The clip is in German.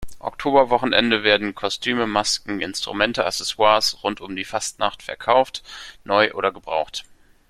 Oktoberwochenende werden Kostüme, Masken, Instrumente, Accessoires rund um die Fasnacht verkauft, neu oder gebraucht.